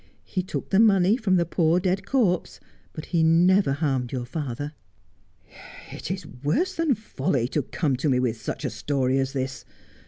He took the money from the poor dead corpse, but he never harmed your father.' ' It is worse than folly to come to me with such a story as this.